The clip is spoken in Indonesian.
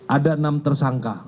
ada enam tersangka